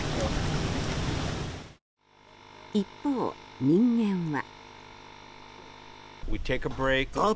一方、人間は。